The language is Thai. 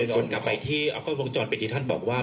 ส่วนกลับไปที่เอากล้องวงจรปิดที่ท่านบอกว่า